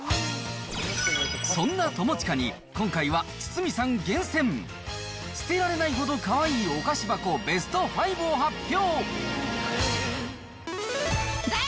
そんな友近に、今回は堤さん厳選！捨てられないほどかわいいお菓子箱ベスト５を発表。